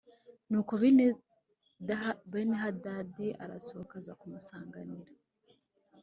Nuko Benihadadi arasohoka aza kumusanganira